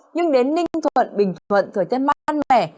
nhưng đến ninh thuận bình thuận thời tiết mát mẻ